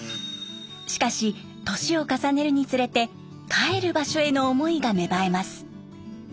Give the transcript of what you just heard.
しかし年を重ねるにつれて帰る場所への思いが芽生えます。